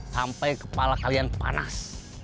sampai kepala kalian panas